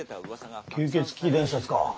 あっ吸血鬼伝説か。